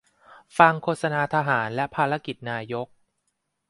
ฟังโฆษณาทหาร และภารกิจนายก